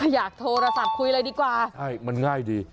อยากโทรศัพท์คุยเลยดีกว่าใช่มันง่ายดี